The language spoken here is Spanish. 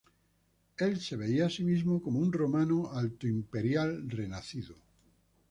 Él se veía a sí mismo como un romano altoimperial renacido.